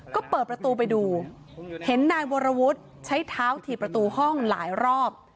ก็เปิดประตูไปดูเห็นนายวรวุฒิใช้เท้าถี่ประตูห้องหลายรอบ